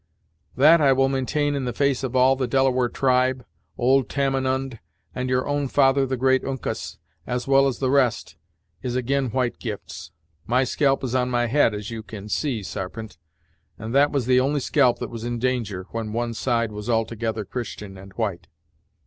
"That I will maintain in the face of all the Delaware tribe, old Tamenund, and your own father the great Uncas, as well as the rest, is ag'in white gifts! My scalp is on my head, as you can see, Sarpent, and that was the only scalp that was in danger, when one side was altogether Christian and white."